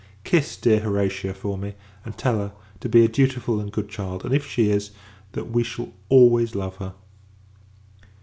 Kiss dear Horatia, for me: and tell her, to be a dutiful and good child; and, if she is, that we shall always love her.